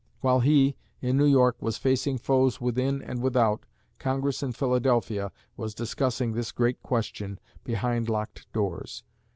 While he, in New York, was facing foes within and without, Congress in Philadelphia was discussing this great question behind locked doors.